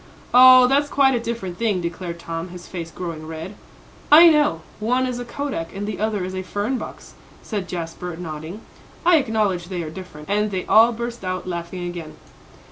"Oh, that's quite a different thing," declared Tom, his face growing red. "I know; one is a kodak, and the other is a fern box," said Jasper, nodding. "I acknowledge they are different," and they all burst out laughing again.